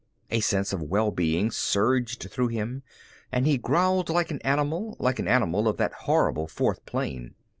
A sense of well being surged through him and he growled like an animal, like an animal of that horrible fourth plane.